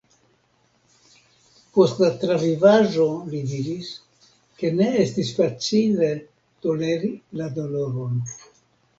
Post la travivaĵo, li diris, ke ne estis facile toleri la doloron.